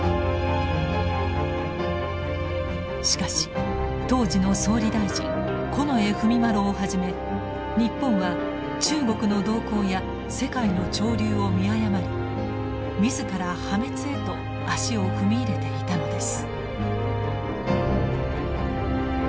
しかし当時の総理大臣近衛文麿をはじめ日本は中国の動向や世界の潮流を見誤り自ら破滅へと足を踏み入れていたのです。